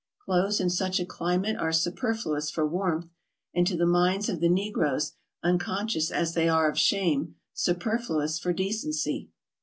Clothes in such a climate are superfluous for warmth, and to the minds of the negroes, unconscious as they are of shame, superfluous for decency.